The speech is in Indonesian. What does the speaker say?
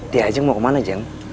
diajeng mau kemana jeng